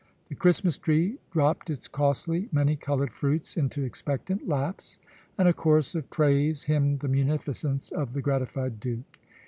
The Christmas tree dropped its costly, many coloured fruits into expectant laps, and a chorus of praise hymned the munificence of the gratified Duke.